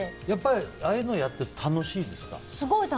やっぱりああいうのやってると楽しいですか？